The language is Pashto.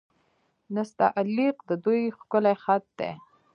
نستعلیق د دوی ښکلی خط دی.